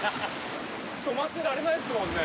止まってられないっすもんね？